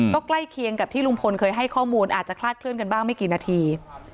ก็ใกล้เคียงกับที่ลุงพลเคยให้ข้อมูลอาจจะคลาดเคลื่อนกันบ้างไม่กี่นาที